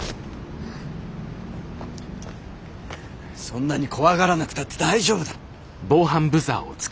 そんなに怖がらなくたって大丈夫だ。